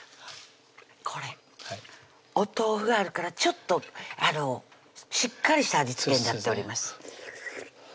これお豆腐があるからちょっとしっかりした味付けになっております